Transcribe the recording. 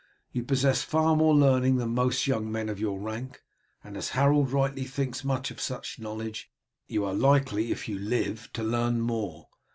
You possess far more learning than most young men of your rank, and as Harold rightly thinks much of such knowledge, you are likely, if you live, to learn more.